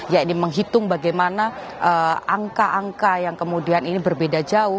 ya ini menghitung bagaimana angka angka yang kemudian ini berbeda jauh